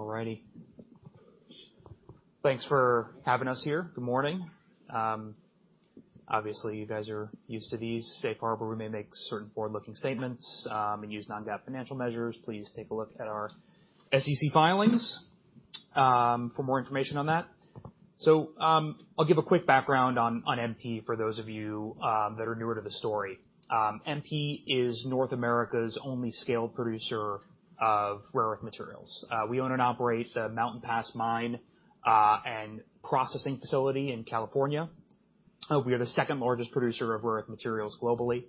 All righty. Thanks for having us here. Good morning. Obviously, you guys are used to these. Safe Harbor. We may make certain forward-looking statements and use non-GAAP financial measures. Please take a look at our SEC filings for more information on that. So, I'll give a quick background on MP for those of you that are newer to the story. MP is North America's only scaled producer of rare earth materials. We own and operate the Mountain Pass mine and processing facility in California. We are the second-largest producer of rare earth materials globally.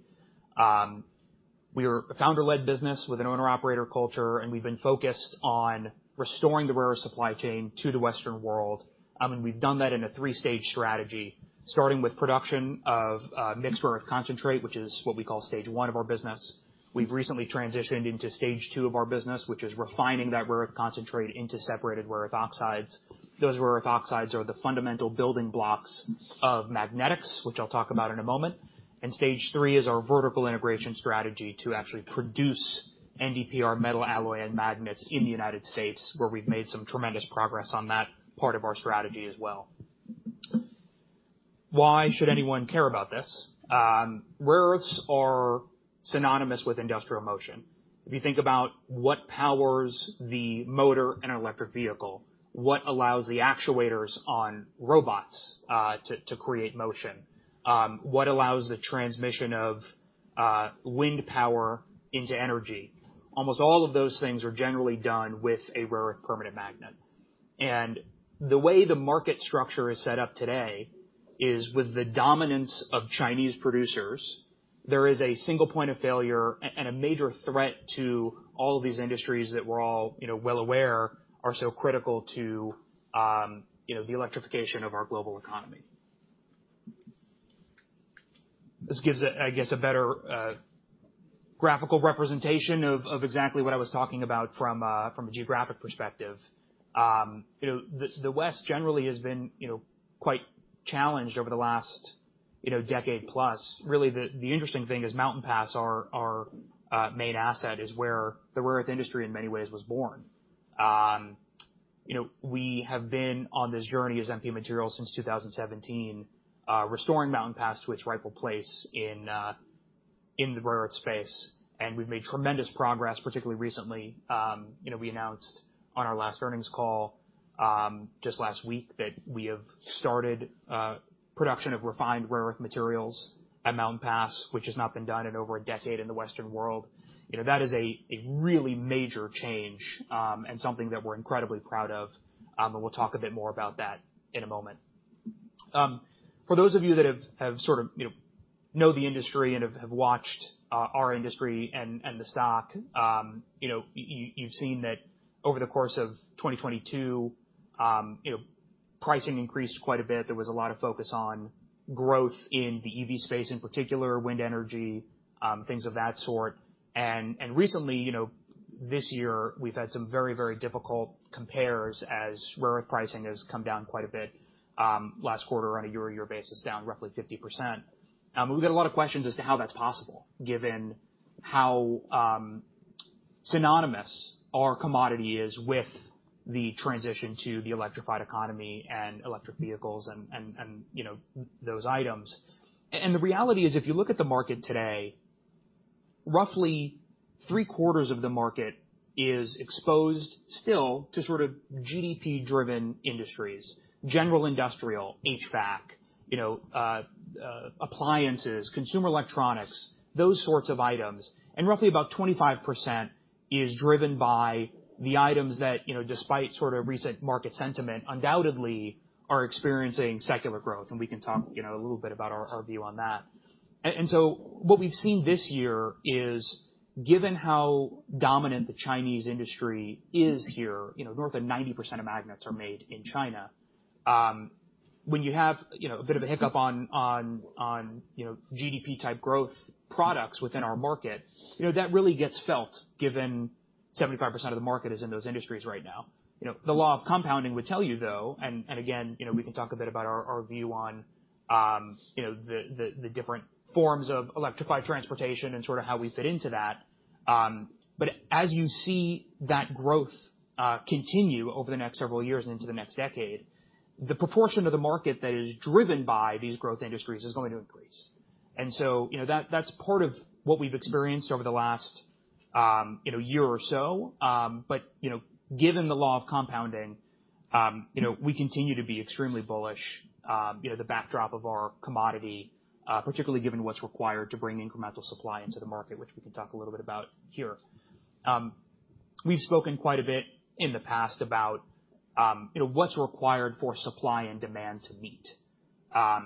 We are a founder-led business with an owner-operator culture, and we've been focused on restoring the rare earth supply chain to the Western world. And we've done that in a three-stage strategy, starting with production of mixed rare earth concentrate, which is what we call Stage One of our business. We've recently transitioned into Stage Two of our business, which is refining that rare earth concentrate into separated rare earth oxides. Those rare earth oxides are the fundamental building blocks of magnetics, which I'll talk about in a moment. Stage Three is our vertical integration strategy to actually produce NdPr metal alloy and magnets in the United States, where we've made some tremendous progress on that part of our strategy as well. Why should anyone care about this? Rare earths are synonymous with industrial motion. If you think about what powers the motor in an electric vehicle, what allows the actuators on robots to create motion, what allows the transmission of wind power into energy, almost all of those things are generally done with a rare earth permanent magnet. And the way the market structure is set up today is with the dominance of Chinese producers, there is a single point of failure and a major threat to all of these industries that we're all, you know, well aware, are so critical to, you know, the electrification of our global economy. This gives a, I guess, a better graphical representation of exactly what I was talking about from a geographic perspective. You know, the West generally has been, you know, quite challenged over the last, you know, decade plus. Really, the interesting thing is Mountain Pass, our main asset, is where the rare earth industry in many ways was born. You know, we have been on this journey as MP Materials since 2017, restoring Mountain Pass to its rightful place in the rare earth space, and we've made tremendous progress, particularly recently. You know, we announced on our last earnings call, just last week that we have started production of refined rare earth materials at Mountain Pass, which has not been done in over a decade in the Western world. You know, that is a really major change, and something that we're incredibly proud of, and we'll talk a bit more about that in a moment. For those of you that have sort of, you know, know the industry and have watched our industry and the stock, you know, you've seen that over the course of 2022, you know, pricing increased quite a bit. There was a lot of focus on growth in the EV space, in particular, wind energy, things of that sort. And recently, you know, this year, we've had some very, very difficult compares as rare earth pricing has come down quite a bit, last quarter, on a year-over-year basis, down roughly 50%. We've got a lot of questions as to how that's possible, given how synonymous our commodity is with the transition to the electrified economy and electric vehicles and, and, you know, those items. The reality is, if you look at the market today, roughly three-quarters of the market is exposed still to sort of GDP-driven industries, general industrial, HVAC, you know, appliances, consumer electronics, those sorts of items, and roughly about 25% is driven by the items that, you know, despite sort of recent market sentiment, undoubtedly are experiencing secular growth, and we can talk, you know, a little bit about our view on that. So what we've seen this year is, given how dominant the Chinese industry is here, you know, north of 90% of magnets are made in China, when you have, you know, a bit of a hiccup on, you know, GDP-type growth products within our market, you know, that really gets felt given 75% of the market is in those industries right now. You know, the law of compounding would tell you, though, and again, you know, we can talk a bit about our view on, you know, the different forms of electrified transportation and sort of how we fit into that, but as you see that growth continue over the next several years into the next decade, the proportion of the market that is driven by these growth industries is going to increase. And so, you know, that that's part of what we've experienced over the last, you know, year or so. But you know, given the law of compounding, you know, we continue to be extremely bullish, you know, the backdrop of our commodity, particularly given what's required to bring incremental supply into the market, which we can talk a little bit about here. We've spoken quite a bit in the past about, you know, what's required for supply and demand to meet. You know,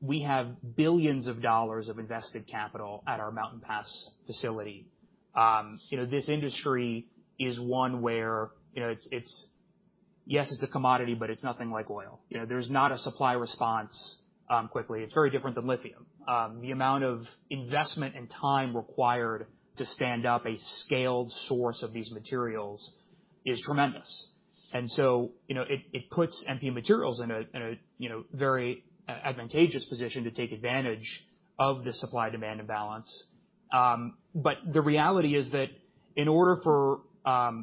we have billions of dollars of invested capital at our Mountain Pass facility. You know, this industry is one where, you know, it's a commodity, but it's nothing like oil. You know, there's not a supply response quickly. It's very different than lithium. The amount of investment and time required to stand up a scaled source of these materials is tremendous. And so, you know, it puts MP Materials in a, you know, very advantageous position to take advantage of the supply-demand imbalance. But the reality is that in order for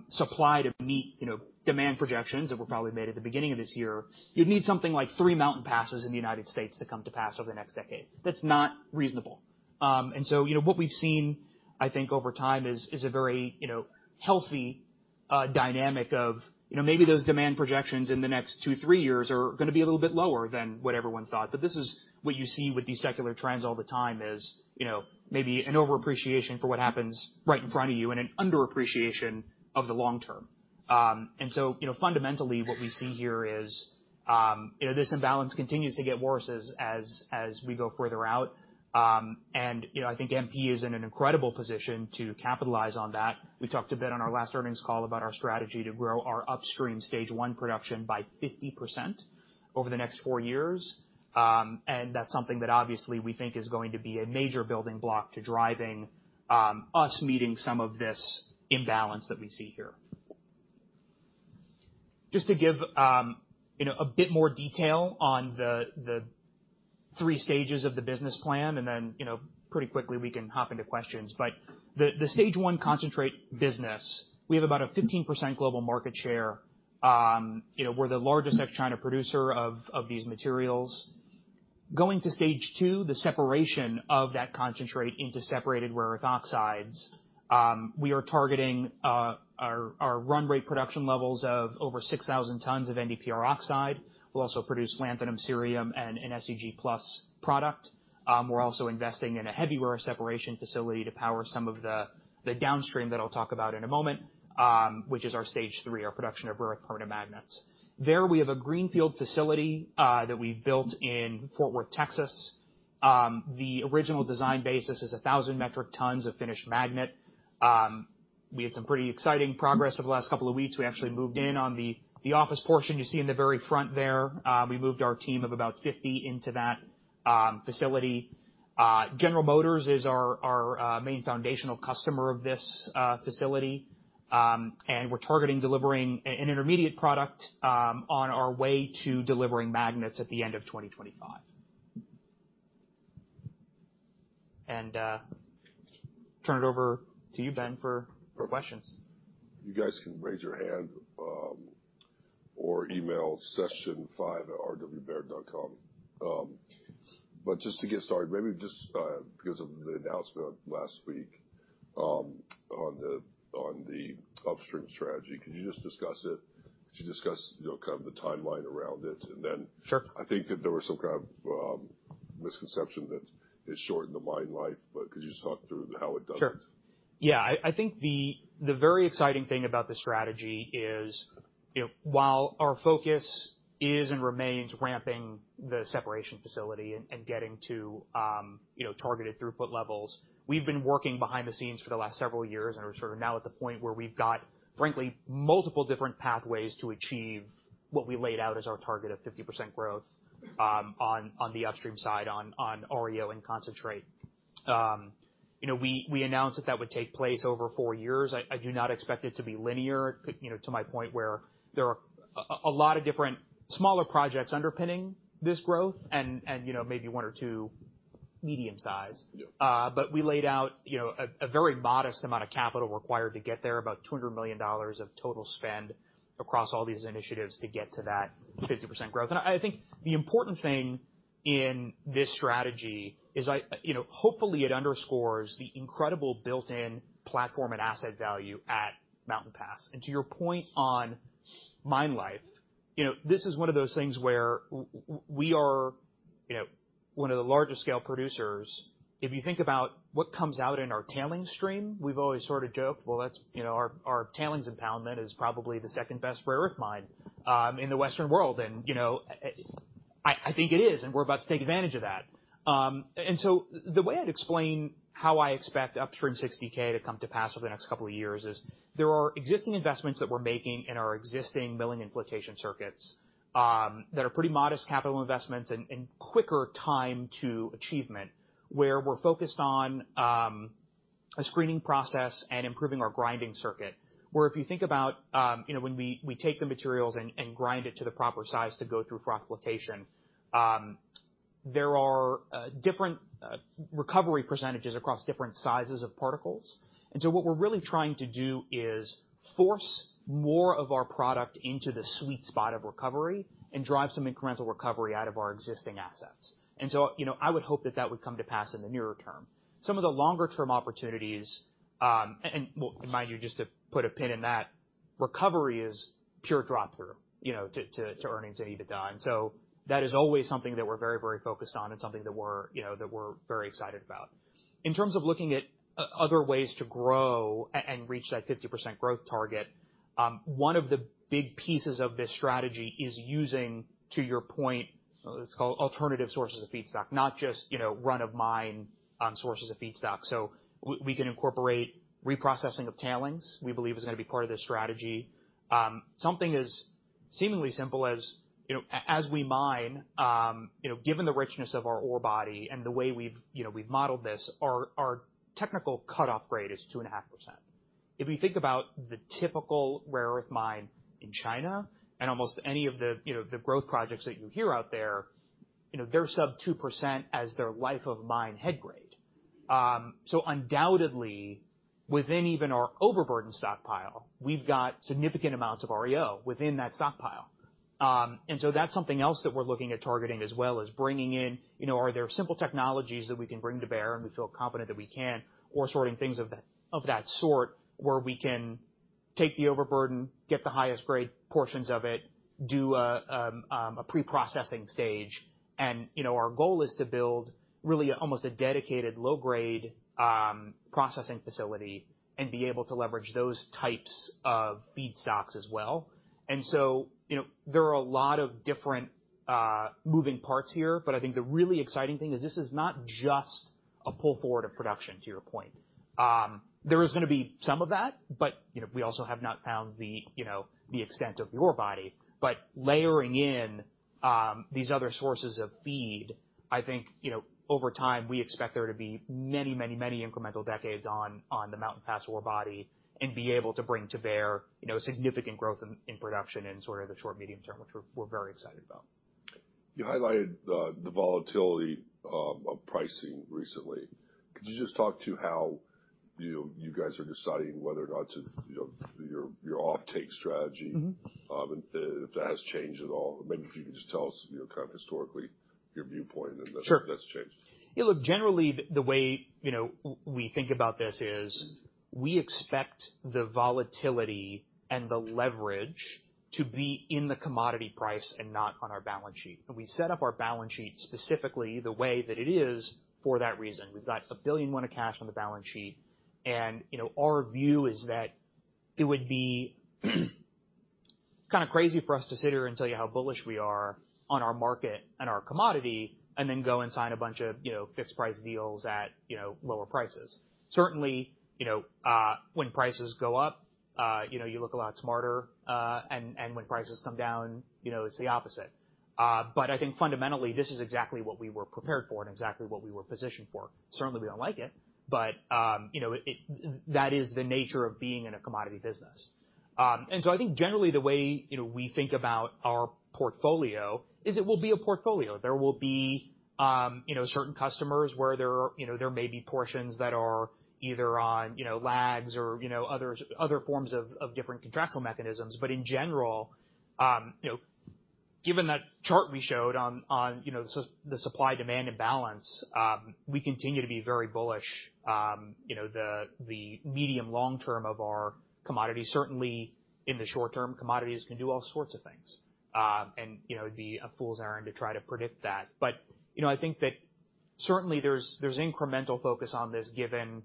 supply to meet, you know, demand projections that were probably made at the beginning of this year, you'd need something like three Mountain Passes in the United States to come to pass over the next decade. That's not reasonable. And so, you know, what we've seen, I think, over time is a very, you know, healthy dynamic of, you know, maybe those demand projections in the next two, three years are gonna be a little bit lower than what everyone thought. But this is what you see with these secular trends all the time is, you know, maybe an overappreciation for what happens right in front of you and an underappreciation of the long term. And so, you know, fundamentally, what we see here is, you know, this imbalance continues to get worse as we go further out. And, you know, I think MP is in an incredible position to capitalize on that. We talked a bit on our last earnings call about our strategy to grow our upstream Stage One production by 50% over the next four years. And that's something that obviously we think is going to be a major building block to driving us meeting some of this imbalance that we see here. Just to give, you know, a bit more detail on the three stages of the business plan, and then, you know, pretty quickly, we can hop into questions. But the Stage One concentrate business, we have about a 15% global market share. You know, we're the largest ex-China producer of these materials. Going to Stage Two, the separation of that concentrate into separated rare earth oxides, we are targeting our run rate production levels of over 6,000 tons of NdPr oxide. We'll also produce lanthanum, cerium, and an SEG+ product. We're also investing in a heavy rare earth separation facility to power some of the downstream that I'll talk about in a moment, which is our Stage Three, our production of rare earth permanent magnets. There, we have a greenfield facility that we built in Fort Worth, Texas. The original design basis is 1,000 metric tons of finished magnet. We had some pretty exciting progress over the last couple of weeks. We actually moved in on the office portion you see in the very front there. We moved our team of about 50 into that facility. General Motors is our, our main foundational customer of this facility. And we're targeting delivering an intermediate product on our way to delivering magnets at the end of 2025. And turn it over to you, Ben, for, for questions. You guys can raise your hand, or email session5@rwbaird.com. But just to get started, maybe just because of the announcement last week, on the upstream strategy, could you just discuss it? Could you discuss, you know, kind of the timeline around it, and then- Sure. I think that there was some kind of misconception that it shortened the mine life, but could you just talk through how it doesn't? Sure. Yeah, I think the very exciting thing about this strategy is, you know, while our focus is and remains ramping the separation facility and getting to, you know, targeted throughput levels, we've been working behind the scenes for the last several years, and we're sort of now at the point where we've got, frankly, multiple different pathways to achieve what we laid out as our target of 50% growth, on the upstream side, on REO and concentrate. You know, we announced that that would take place over four years. I do not expect it to be linear. You know, to my point where there are a lot of different smaller projects underpinning this growth and, you know, maybe one or two medium-sized. Yeah. But we laid out, you know, a very modest amount of capital required to get there, about $200 million of total spend across all these initiatives to get to that 50% growth. And I think the important thing in this strategy is, you know, hopefully, it underscores the incredible built-in platform and asset value at Mountain Pass. And to your point on mine life, you know, this is one of those things where we are, you know, one of the largest scale producers. If you think about what comes out in our tailings stream, we've always sort of joked, well, that's, you know, our, our tailings impoundment is probably the second-best rare earth mine in the Western world. And, you know, I think it is, and we're about to take advantage of that. And so the way I'd explain how I expect Upstream 60K to come to pass over the next couple of years is there are existing investments that we're making in our existing milling and flotation circuits, that are pretty modest capital investments and quicker time to achievement, where we're focused on a screening process and improving our grinding circuit, where if you think about, you know, when we take the materials and grind it to the proper size to go through froth flotation, there are different recovery percentages across different sizes of particles. And so what we're really trying to do is force more of our product into the sweet spot of recovery and drive some incremental recovery out of our existing assets. And so, you know, I would hope that that would come to pass in the nearer term. Some of the longer-term opportunities. Well, mind you, just to put a pin in that, recovery is pure drop through, you know, to earnings at the end of the time. So that is always something that we're very, very focused on and something that we're, you know, very excited about. In terms of looking at other ways to grow and reach that 50% growth target, one of the big pieces of this strategy is using, to your point, it's called alternative sources of feedstock, not just, you know, run-of-mine sources of feedstock. So we can incorporate reprocessing of tailings, we believe is gonna be part of this strategy. Something is... Seemingly simple as, you know, as we mine, you know, given the richness of our ore body and the way we've, you know, we've modeled this, our technical cutoff grade is 2.5%. If you think about the typical rare earth mine in China and almost any of the, you know, the growth projects that you hear out there, you know, they're sub 2% as their life of mine head grade. So undoubtedly, within even our overburden stockpile, we've got significant amounts of REO within that stockpile. and so that's something else that we're looking at targeting as well, is bringing in, you know, are there simple technologies that we can bring to bear, and we feel confident that we can, or sorting things of that, of that sort, where we can take the overburden, get the highest grade portions of it, do a, a pre-processing stage. And, you know, our goal is to build really almost a dedicated low-grade, processing facility and be able to leverage those types of feedstocks as well. And so, you know, there are a lot of different, moving parts here, but I think the really exciting thing is this is not just a pull forward of production, to your point. There is going to be some of that, but, you know, we also have not found the, you know, the extent of the ore body. But layering in these other sources of feed, I think, you know, over time, we expect there to be many, many, many incremental decades on the Mountain Pass ore body and be able to bring to bear, you know, significant growth in production in sort of the short, medium term, which we're very excited about. You highlighted the volatility of pricing recently. Could you just talk to how, you know, you guys are deciding whether or not to, you know, your offtake strategy- Mm-hmm. If that has changed at all? Maybe if you could just tell us, you know, kind of historically your viewpoint and if that's changed. Sure. Yeah, look, generally, the way, you know, we think about this is we expect the volatility and the leverage to be in the commodity price and not on our balance sheet. And we set up our balance sheet specifically the way that it is for that reason. We've got $1.1 billion of cash on the balance sheet, and, you know, our view is that it would be kind of crazy for us to sit here and tell you how bullish we are on our market and our commodity, and then go and sign a bunch of, you know, fixed price deals at, you know, lower prices. Certainly, you know, when prices go up, you know, you look a lot smarter, and when prices come down, you know, it's the opposite. But I think fundamentally, this is exactly what we were prepared for and exactly what we were positioned for. Certainly, we don't like it, but, you know, it that is the nature of being in a commodity business. And so I think generally the way, you know, we think about our portfolio is it will be a portfolio. There will be, you know, certain customers where there are, you know, there may be portions that are either on, you know, lags or, you know, other, other forms of different contractual mechanisms. But in general, you know, given that chart we showed on the supply, demand, and balance, we continue to be very bullish, you know, the medium long term of our commodity. Certainly, in the short term, commodities can do all sorts of things. And, you know, it'd be a fool's errand to try to predict that. But, you know, I think that certainly there's incremental focus on this, given, you know,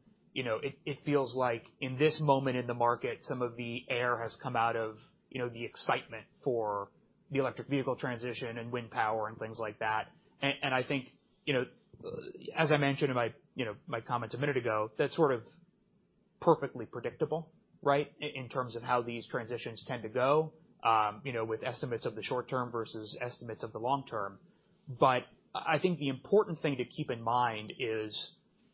it feels like in this moment in the market, some of the air has come out of, you know, the excitement for the electric vehicle transition and wind power and things like that. And I think, you know, as I mentioned in my, you know, my comments a minute ago, that's sort of perfectly predictable, right? In terms of how these transitions tend to go, you know, with estimates of the short term versus estimates of the long term. But I think the important thing to keep in mind is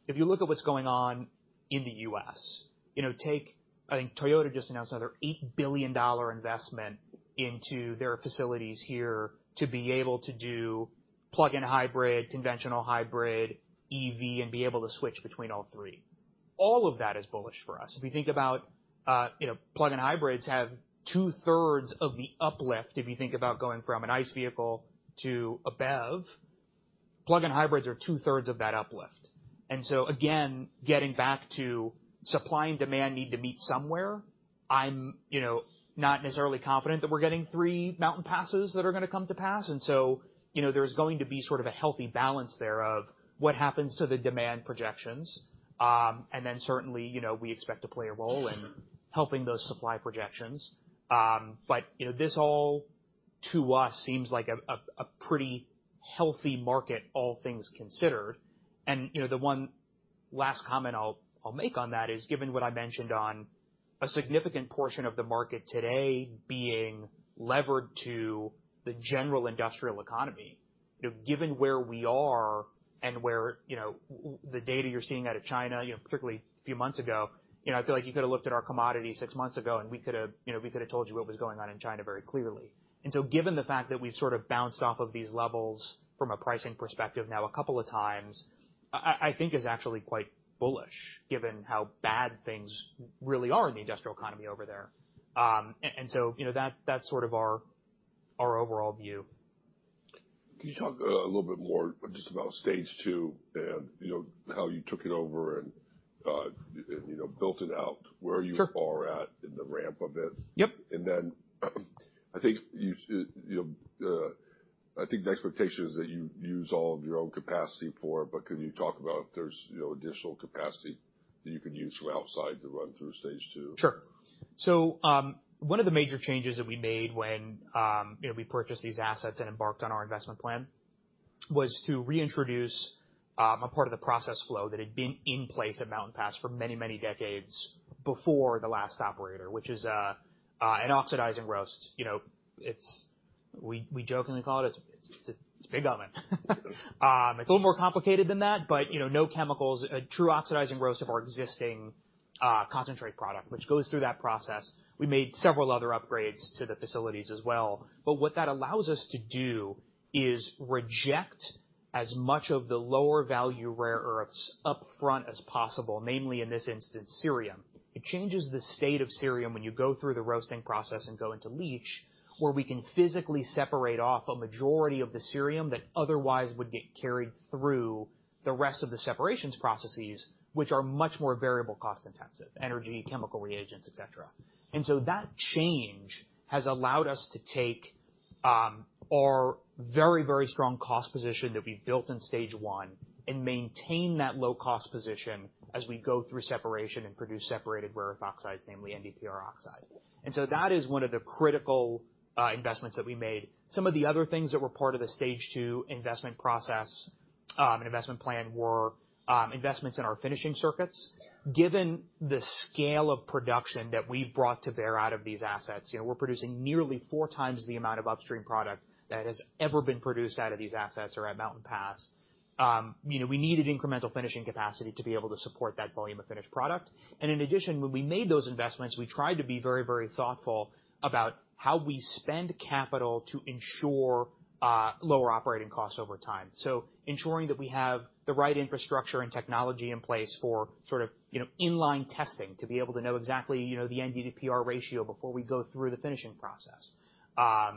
if you look at what's going on in the U.S., you know, take... I think Toyota just announced another $8 billion investment into their facilities here to be able to do plug-in hybrid, conventional hybrid, EV, and be able to switch between all three. All of that is bullish for us. If you think about, you know, plug-in hybrids have two-thirds of the uplift. If you think about going from an ICE vehicle to a BEV, plug-in hybrids are two-thirds of that uplift. And so again, getting back to supply and demand need to meet somewhere, I'm, you know, not necessarily confident that we're getting three Mountain Passes that are going to come to pass, and so, you know, there's going to be sort of a healthy balance there of what happens to the demand projections. And then certainly, you know, we expect to play a role in helping those supply projections. But, you know, this all, to us, seems like a pretty healthy market, all things considered. And, you know, the one last comment I'll make on that is, given what I mentioned on a significant portion of the market today being levered to the general industrial economy, you know, given where we are and where the data you're seeing out of China, you know, particularly a few months ago, you know, I feel like you could have looked at our commodity six months ago, and we could have told you what was going on in China very clearly. And so given the fact that we've sort of bounced off of these levels from a pricing perspective now a couple of times, I think is actually quite bullish, given how bad things really are in the industrial economy over there. And so, you know, that's sort of our overall view. Can you talk a little bit more just about Stage Two and, you know, how you took it over and, you know, built it out? Sure. Where you are at in the ramp of it? Yep. Then, I think the expectation is that you use all of your own capacity for it, but can you talk about if there's, you know, additional capacity that you can use from outside to run through Stage Two? Sure. So, one of the major changes that we made when, you know, we purchased these assets and embarked on our investment plan was to reintroduce a part of the process flow that had been in place at Mountain Pass for many, many decades before the last operator, which is an oxidizing roast. You know, it's. We jokingly call it. It's a big oven. It's a little more complicated than that, but, you know, no chemicals, a true oxidizing roast of our existing concentrate product, which goes through that process. We made several other upgrades to the facilities as well. But what that allows us to do is reject as much of the lower value rare earths upfront as possible, namely, in this instance, cerium. It changes the state of cerium when you go through the roasting process and go into leach, where we can physically separate off a majority of the cerium that otherwise would get carried through the rest of the separations processes, which are much more variable cost-intensive, energy, chemical reagents, et cetera. And so that change has allowed us to take our very, very strong cost position that we've built in Stage One and maintain that low-cost position as we go through separation and produce separated rare earth oxides, namely NdPr oxide. And so that is one of the critical investments that we made. Some of the other things that were part of the Stage Two investment process and investment plan were investments in our finishing circuits. Given the scale of production that we've brought to bear out of these assets, you know, we're producing nearly four times the amount of upstream product that has ever been produced out of these assets or at Mountain Pass. You know, we needed incremental finishing capacity to be able to support that volume of finished product. In addition, when we made those investments, we tried to be very, very thoughtful about how we spend capital to ensure lower operating costs over time. Ensuring that we have the right infrastructure and technology in place for sort of, you know, in-line testing to be able to know exactly, you know, the NdPr ratio before we go through the finishing process.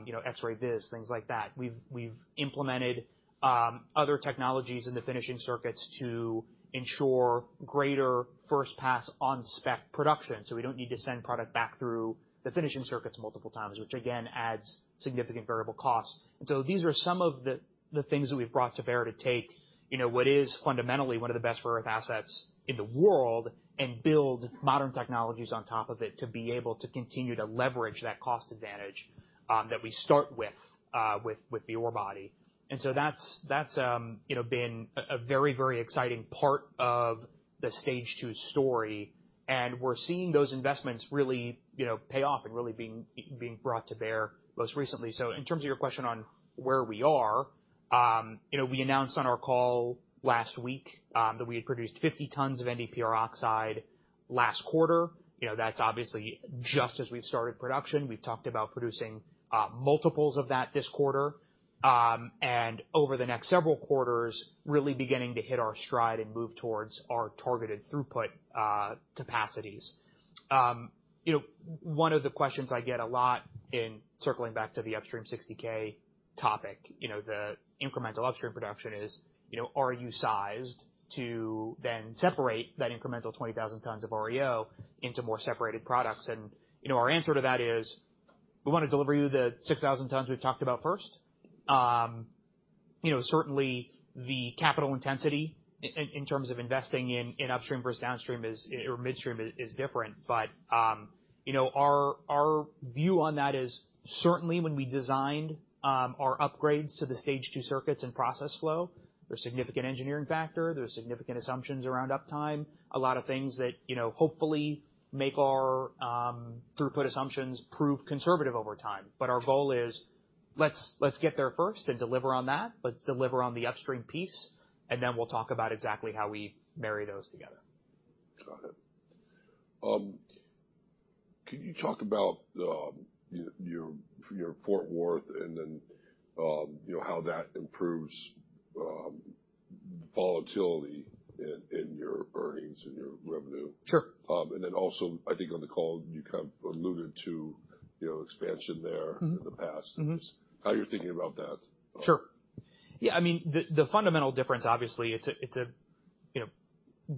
You know, X-ray Vis, things like that. We've implemented other technologies in the finishing circuits to ensure greater first pass on spec production, so we don't need to send product back through the finishing circuits multiple times, which again adds significant variable costs. And so these are some of the things that we've brought to bear to take, you know, what is fundamentally one of the best rare earth assets in the world and build modern technologies on top of it to be able to continue to leverage that cost advantage that we start with with the ore body. And so that's you know been a very very exciting part of the Stage Two story, and we're seeing those investments really, you know, pay off and really being brought to bear most recently. So in terms of your question on where we are, you know, we announced on our call last week, that we had produced 50 tons of NdPr oxide last quarter. You know, that's obviously just as we've started production. We've talked about producing, multiples of that this quarter, and over the next several quarters, really beginning to hit our stride and move towards our targeted throughput, capacities. You know, one of the questions I get a lot in circling back to the Upstream 60K topic, you know, the incremental upstream production is, you know, are you sized to then separate that incremental 20,000 tons of REO into more separated products? And, you know, our answer to that is, we wanna deliver you the 6,000 tons we've talked about first. You know, certainly, the capital intensity in terms of investing in upstream versus downstream or midstream is different. But you know, our view on that is, certainly when we designed our upgrades to the Stage Two circuits and process flow, there's significant engineering factor, there's significant assumptions around uptime, a lot of things that, you know, hopefully, make our throughput assumptions prove conservative over time. But our goal is let's get there first and deliver on that. Let's deliver on the upstream piece, and then we'll talk about exactly how we marry those together. Got it. Can you talk about your Fort Worth and then you know how that improves volatility in your earnings and your revenue? Sure. And then also, I think on the call, you kind of alluded to, you know, expansion there- Mm-hmm. in the past. Mm-hmm. How you're thinking about that? Sure. Yeah, I mean, the fundamental difference, obviously, it's a, you know,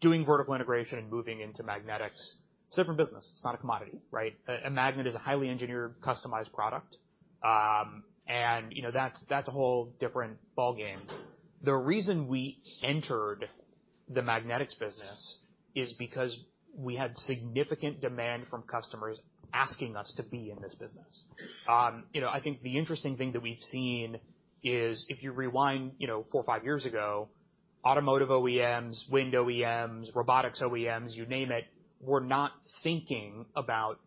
doing vertical integration and moving into magnetics, it's a different business. It's not a commodity, right? A magnet is a highly engineered, customized product. And, you know, that's a whole different ballgame. The reason we entered the magnetics business is because we had significant demand from customers asking us to be in this business. You know, I think the interesting thing that we've seen is if you rewind, you know, four or five years ago, automotive OEMs, wind OEMs, robotics OEMs, you name it, were not thinking about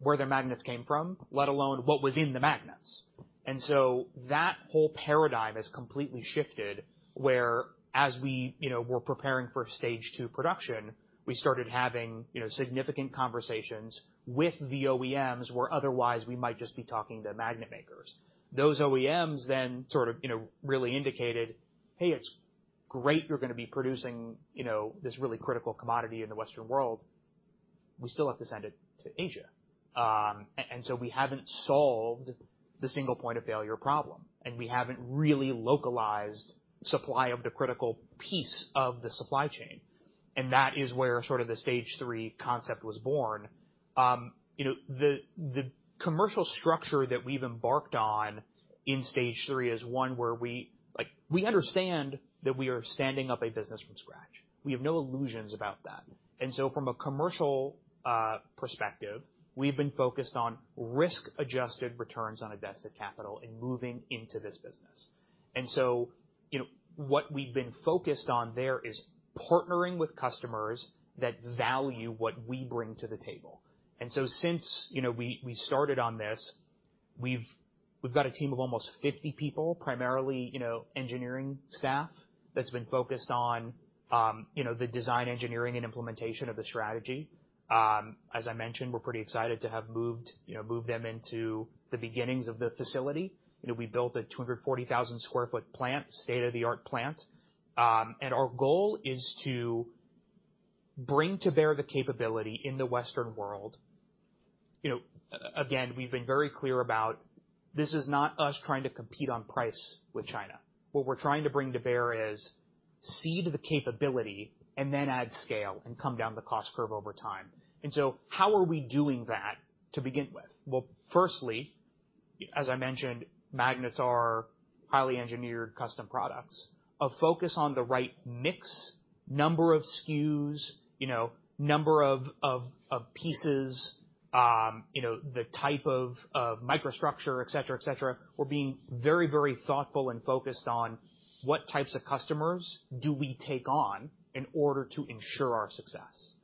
where their magnets came from, let alone what was in the magnets. And so that whole paradigm has completely shifted, whereas we, you know, were preparing for Stage Two production, we started having, you know, significant conversations with the OEMs, where otherwise we might just be talking to magnet makers. Those OEMs then sort of, you know, really indicated, "Hey, it's great you're gonna be producing, you know, this really critical commodity in the Western world. We still have to send it to Asia." So we haven't solved the single point of failure problem, and we haven't really localized supply of the critical piece of the supply chain, and that is where sort of the Stage Three concept was born. You know, the commercial structure that we've embarked on in Stage Three is one where we... Like, we understand that we are standing up a business from scratch. We have no illusions about that. And so from a commercial perspective, we've been focused on risk-adjusted returns on invested capital in moving into this business. And so, you know, what we've been focused on there is partnering with customers that value what we bring to the table. And so since, you know, we started on this, we've got a team of almost 50 people, primarily, you know, engineering staff, that's been focused on you know, the design, engineering, and implementation of the strategy. As I mentioned, we're pretty excited to have moved you know, them into the beginnings of the facility. You know, we built a 240,000 sq ft plant, state-of-the-art plant. And our goal is to bring to bear the capability in the Western world. You know, again, we've been very clear about this is not us trying to compete on price with China. What we're trying to bring to bear is seed the capability and then add scale and come down the cost curve over time. And so how are we doing that to begin with? Well, firstly, as I mentioned, magnets are highly engineered custom products. A focus on the right mix, number of SKUs, you know, number of pieces, you know, the type of microstructure, et cetera, et cetera. We're being very, very thoughtful and focused on what types of customers do we take on in order to ensure our success.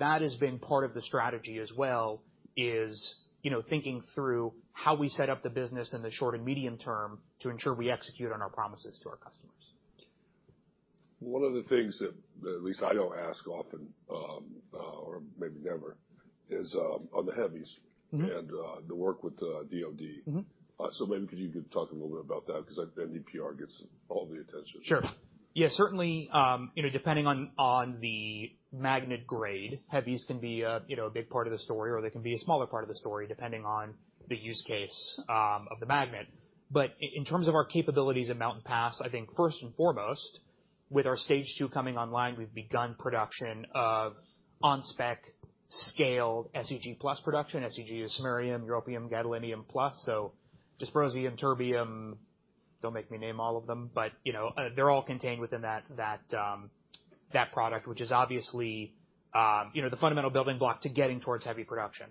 That has been part of the strategy as well, is, you know, thinking through how we set up the business in the short and medium term to ensure we execute on our promises to our customers. One of the things that at least I don't ask often, or maybe never, is on the heavies- Mm-hmm. and the work with DoD. Mm-hmm. So maybe could you talk a little bit about that? Because NdPr gets all the attention. Sure. Yeah, certainly, you know, depending on, on the magnet grade, heavies can be a, you know, a big part of the story, or they can be a smaller part of the story, depending on the use case of the magnet. But in terms of our capabilities at Mountain Pass, I think first and foremost, with our Stage Two coming online, we've begun production of on-spec scaled SEG+ production. SEG+ is samarium, europium, gadolinium plus, so dysprosium, terbium, don't make me name all of them, but, you know, they're all contained within that product, which is obviously, you know, the fundamental building block to getting towards heavy production.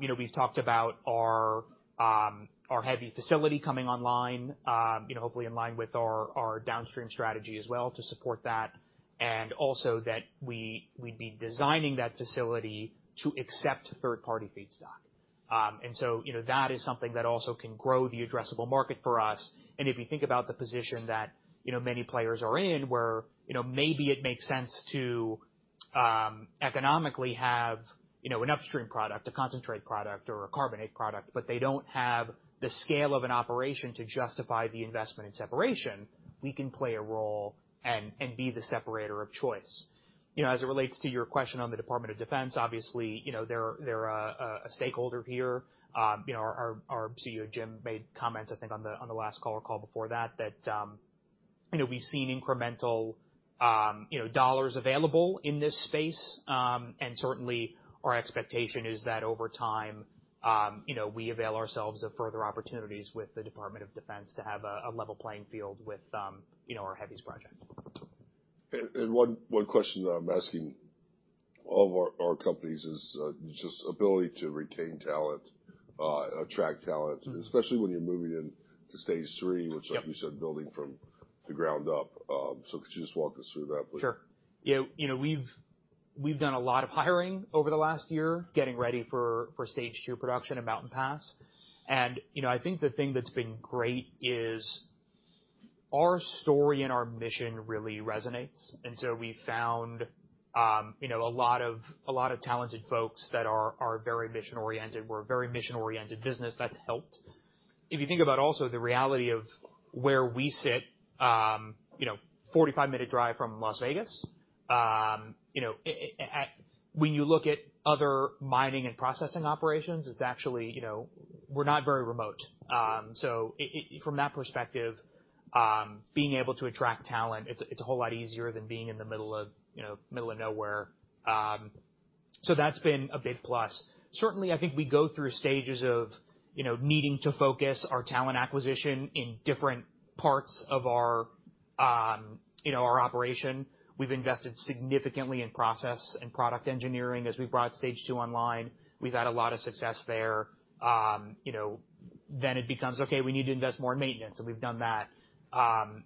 You know, we've talked about our, our heavy facility coming online, you know, hopefully in line with our, our downstream strategy as well to support that, and also that we'd be designing that facility to accept third-party feedstock. And so, you know, that is something that also can grow the addressable market for us. And if you think about the position that, you know, many players are in, where, you know, maybe it makes sense to, economically have, you know, an upstream product, a concentrate product or a carbonate product, but they don't have the scale of an operation to justify the investment in separation, we can play a role and, and be the separator of choice. You know, as it relates to your question on the Department of Defense, obviously, you know, they're, they're, a, a stakeholder here. You know, our CEO, Jim, made comments, I think, on the last call or call before that, that you know, we've seen incremental, you know, dollars available in this space. And certainly, our expectation is that over time, you know, we avail ourselves of further opportunities with the Department of Defense to have a level playing field with, you know, our heavies project. One question that I'm asking all of our companies is just ability to retain talent, attract talent- Mm-hmm. especially when you're moving into Stage Three Yep. which, like you said, building from the ground up. So could you just walk us through that, please? Sure. You know, we've done a lot of hiring over the last year, getting ready for Stage Two production at Mountain Pass. And, you know, I think the thing that's been great is our story and our mission really resonates, and so we found, you know, a lot of talented folks that are very mission-oriented. We're a very mission-oriented business. That's helped. If you think about also the reality of where we sit, you know, 45-minute drive from Las Vegas, you know, and when you look at other mining and processing operations, it's actually, you know, we're not very remote. So from that perspective, being able to attract talent, it's a whole lot easier than being in the middle of, you know, middle of nowhere. So that's been a big plus. Certainly, I think we go through stages of, you know, needing to focus our talent acquisition in different parts of our, you know, our operation. We've invested significantly in process and product engineering as we brought Stage Two online. We've had a lot of success there. You know, then it becomes: Okay, we need to invest more in maintenance, and we've done that.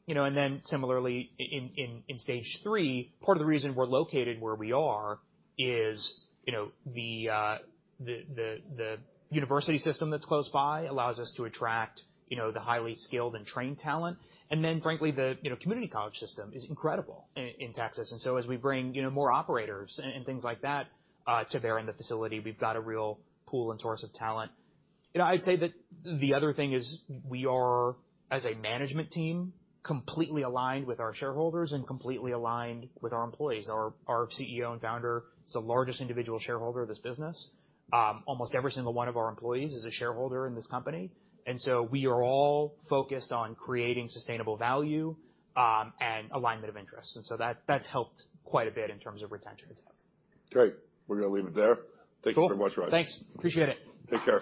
You know, and then similarly, in Stage Three, part of the reason we're located where we are is, you know, the university system that's close by allows us to attract, you know, the highly skilled and trained talent. And then, frankly, the you know, community college system is incredible in Texas, and so as we bring, you know, more operators and things like that, to bear in the facility, we've got a real pool and source of talent. You know, I'd say that the other thing is we are, as a management team, completely aligned with our shareholders and completely aligned with our employees. Our CEO and founder is the largest individual shareholder of this business. Almost every single one of our employees is a shareholder in this company, and so we are all focused on creating sustainable value, and alignment of interests, and so that's helped quite a bit in terms of retention, and so. Great. We're going to leave it there. Cool. Thank you very much, Ryan. Thanks. Appreciate it. Take care.